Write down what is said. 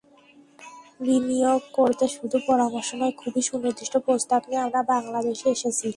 বিনিয়োগ করতে শুধু পরামর্শ নয়, খুবই সুনির্দিষ্ট প্রস্তাব নিয়ে আমরা বাংলাদেশে এসেছি।